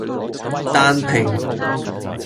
單拼